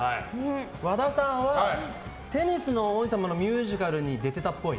和田さんは「テニスの王子様」のミュージカルに出てたっぽい。